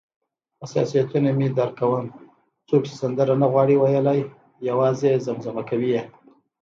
حساسیتونه مې درک کوم، څوک چې سندره نه غواړي ویلای، یوازې زمزمه کوي یې.